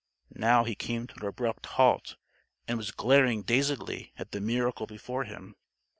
Now he came to an abrupt halt and was glaring dazedly at the miracle before him.